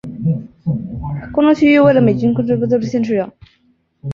空中区域为了美军空中区域内也被不得已限制使用。